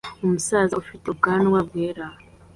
Umusaza ufite ubwanwa bwera